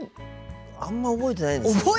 あんま覚えてないんですけど。